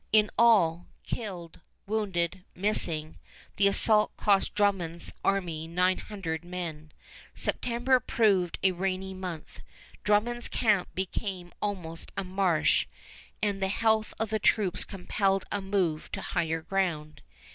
In all, killed, wounded, missing, the assault cost Drummond's army nine hundred men. September proved a rainy month. Drummond's camp became almost a marsh, and the health of the troops compelled a move to higher ground.